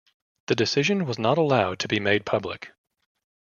The decision was not allowed to be made public.